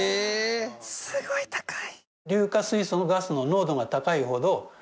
すごい高い。